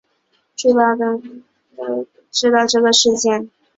据报当时的中共中央政法委书记罗干知道这个事件。